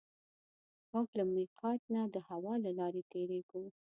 موږ له مېقات نه د هوا له لارې تېرېږو.